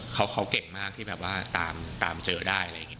เขาเก่งมากที่แบบว่าตามเจอได้อะไรอย่างนี้